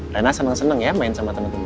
rena seneng seneng ya main sama temen temen ya